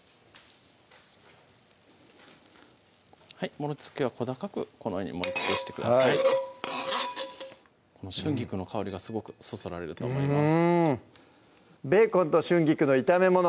盛りつけは小高くこのように盛りつけしてくださいこの春菊の香りがすごくそそられると思います「ベーコンと春菊の炒めもの」